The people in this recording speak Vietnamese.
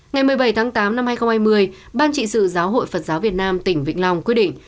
ngày một mươi bảy tháng tám năm hai nghìn hai mươi ban trị sự giáo hội phật giáo việt nam tỉnh vĩnh long quyết định